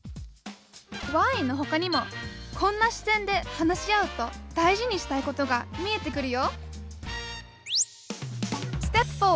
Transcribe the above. ＷＨＹのほかにもこんな視点で話し合うと大事にしたいことが見えてくるよ